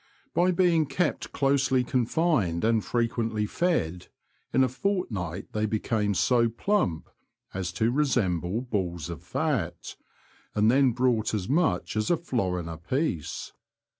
By being kept closely confined and frequently fed, in a fort night they became so plump as to resemble balls of fat, and then brought as much as a florin a piece.